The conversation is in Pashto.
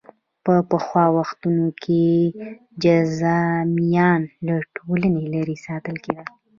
په پخوا وختونو کې جذامیان له ټولنې لرې ساتل کېدل.